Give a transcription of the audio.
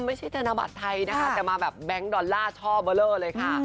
ธนบัตรไทยนะคะแต่มาแบบแบงค์ดอลลาร์ช่อเบอร์เลอร์เลยค่ะ